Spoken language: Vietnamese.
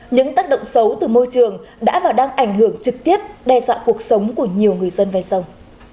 những tác động xấu từ môi trường đã và đang ảnh hưởng trực tiếp đe dọa cuộc sống của nhiều người dân ven sông